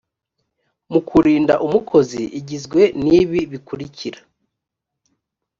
mu kurinda umukozi igizwe n ibi bikurikira